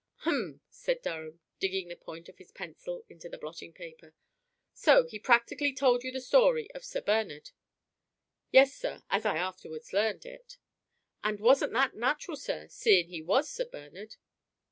"Hum!" said Durham, digging the point of his pencil into the blotting paper, "so he practically told you the story of Sir Bernard." "Yes, sir, as I afterwards learned it. And wasn't that natural, sir, seeing he was Sir Bernard?"